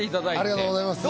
ありがとうございます。